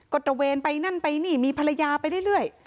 ก็ตระเวนไปนั่นไปนี่มีภรรยาไปเรื่อย